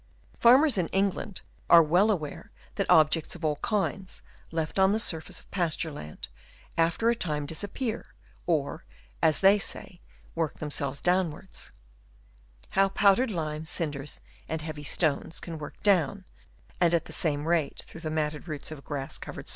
Farmers in England are well aware that objects of all kinds, left on the surface of pasture land, after a time disappear, or, as they say, work themselves downwards. How powdered lime, cinders, and heavy stones, can work down, and at the same rate, through the matted roots of a grass covered *' Trans, of the New Zealand Institute,' vol.